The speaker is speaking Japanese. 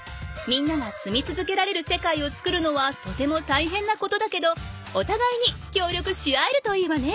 みんなが住みつづけられる世界をつくるのはとてもたいへんなことだけどおたがいにきょうりょくし合えるといいわね。